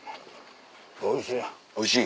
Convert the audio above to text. おいしい。